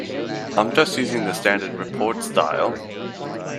I'm just using the standard report style.